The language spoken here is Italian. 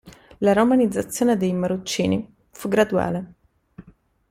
La romanizzazione dei Marrucini fu graduale.